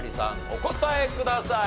お答えください。